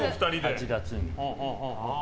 ８月にね。